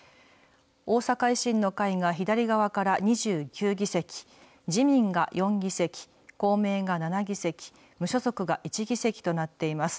大阪維新の会が左側から２９議席、自民が４議席、公明が７議席、無所属が１議席となっています。